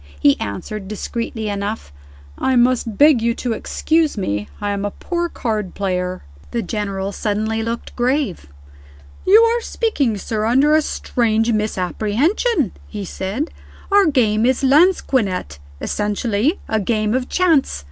He answered, discreetly enough, "I must beg you to excuse me; I am a poor card player." The General suddenly looked grave. "You are speaking, sir, under a strange misapprehension," he said. "Our game is lansquenet essentially a game of chance.